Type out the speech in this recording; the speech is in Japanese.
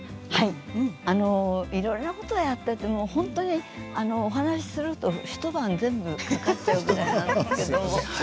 いろいろなことをやっていて本当にお話しすると一晩全部かかっちゃうぐらい。